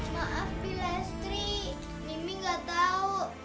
maaf bila estri mimi nggak tahu